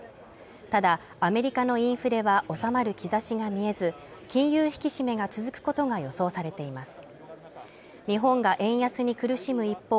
ただアメリカのインフレは収まる兆しが見えず金融引き締めが続くことが予想されています